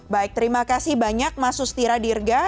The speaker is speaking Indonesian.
baik terima kasih banyak mas sustira dirga